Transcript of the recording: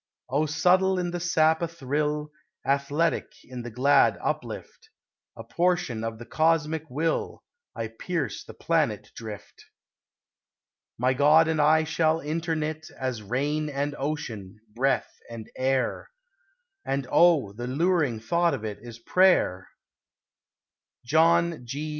Oh subtle in the sap athrill, Athletic in the glad uplift, A portion of the Cosmic Will, I pierce the planet drift. My God and I shall interknit As rain and Ocean, breath and Air; And oh, the luring thought of it Is prayer! _John G.